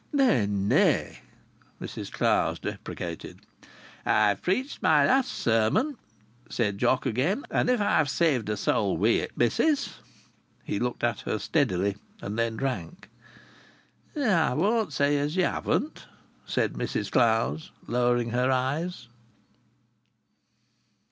"Nay, nay!" Mrs Clowes deprecated. "I've preached my last sermon," said Jock again. "And if I've saved a soul wi' it, missis...!" He looked at her steadily and then drank. "I won't say as ye haven't," said Mrs Clowes, lowering her eyes.